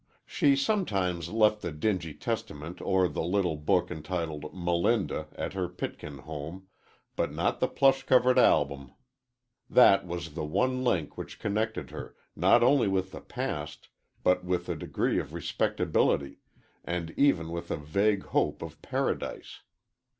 She sometimes left the dingy Testament or the little book entitled Melinda at her Pitkin home, but not the plush covered album. That was the one link which connected her, not only with the past, but with a degree of respectability, and even with a vague hope of paradise.